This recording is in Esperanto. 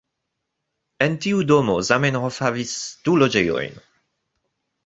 En tiu domo Zamenhof havis du loĝejojn.